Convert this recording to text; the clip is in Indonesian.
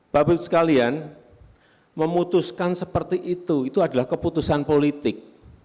bapak ibu sekalian memutuskan seperti itu itu adalah keputusan politik